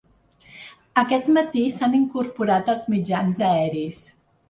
Aquest matí s'han incorporat els mitjans aeris.